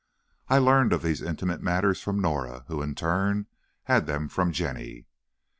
I learned of these intimate matters from Norah, who, in turn, had them from Jenny.